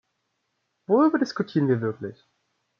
Worüber diskutieren wir wirklich?